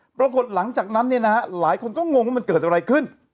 ปรากฏหลังจากนั้นเนี่ยนะฮะหลายคนก็งงว่ามันเกิดอะไรขึ้น